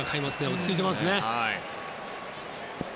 落ち着いていましたね。